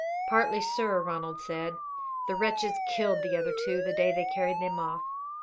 "Partly, sir," Ronald said. "The wretches killed the other two the day they carried them off.